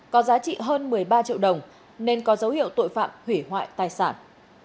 có giá trị hơn một mươi ba triệu đồng nên có dấu hiệu tội phạm hủy hoại tài sản